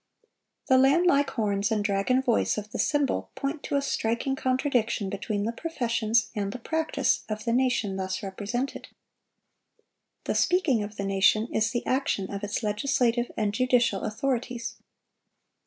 (743) The lamb like horns and dragon voice of the symbol point to a striking contradiction between the professions and the practice of the nation thus represented. The "speaking" of the nation is the action of its legislative and judicial authorities.